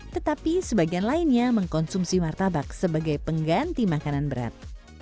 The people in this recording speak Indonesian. tetapi sebagian lainnya mengkonsumsi martabak sebagai pengganti makanan berat